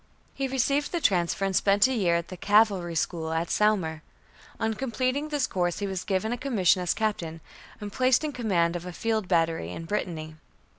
He received the transfer and spent a year in the Cavalry School at Saumur. On completing this course he was given a commission as Captain, and placed in command of a field battery, in Brittany.